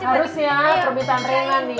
harus ya permintaan raina nih